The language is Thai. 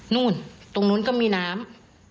นู่นตรงนู้นก็มีน้ำ